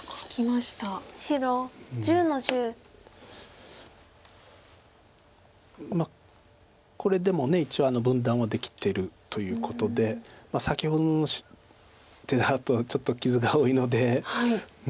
まあこれでも一応分断はできてるということで先ほどの手だとちょっと傷が多いので。